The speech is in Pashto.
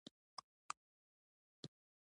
• سترګې د نورو لپاره زموږ د جذباتو څرګندوي.